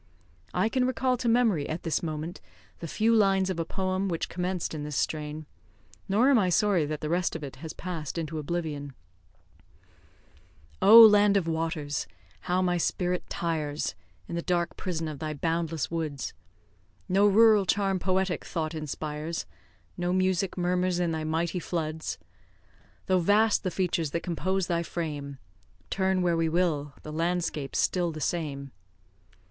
I can recall to memory, at this moment, the few lines of a poem which commenced in this strain; nor am I sorry that the rest of it has passed into oblivion: Oh! land of waters, how my spirit tires, In the dark prison of thy boundless woods; No rural charm poetic thought inspires, No music murmurs in thy mighty floods; Though vast the features that compose thy frame, Turn where we will, the landscape's still the same.